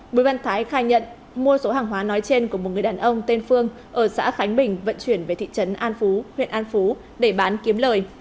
bùi văn thái khai nhận mua số hàng hóa nói trên của một người đàn ông tên phương ở xã khánh bình vận chuyển về thị trấn an phú huyện an phú để bán kiếm lời